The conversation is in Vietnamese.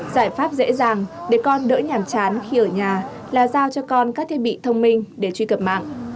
giải pháp dễ dàng để con đỡ nhàm chán khi ở nhà là giao cho con các thiết bị thông minh để truy cập mạng